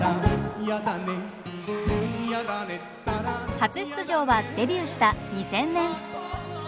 初出場はデビューした２０００年。